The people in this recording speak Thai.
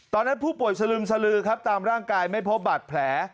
ตอนนั้นผู้ป่วยสลึมสลือครับตามร่างกายไม่พบบาดแผล